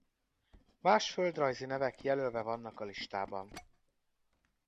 Más földrajzi nevek jelölve vannak a listában.